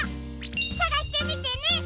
さがしてみてね！